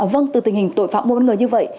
vâng từ tình hình tội phạm mua bán người như vậy